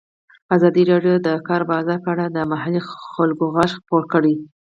ازادي راډیو د د کار بازار په اړه د محلي خلکو غږ خپور کړی.